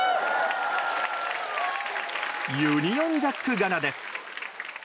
ユニオンジャック柄です。